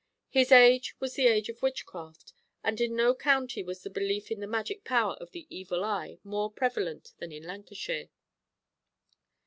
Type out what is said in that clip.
His age was the age of witchcraft, and in no county was the belief in the magic power of the "evil eye" more prevalent than in Lancashire.